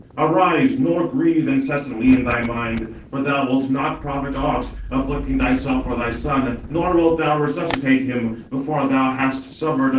Arise, nor grieve incessantly in thy mind; for thou wilt not profit aught, afflicting thyself for thy son, nor wilt thou resuscitate him before thou hast suffered another misfortune."